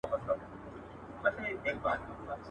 • راستي زوال نه لري.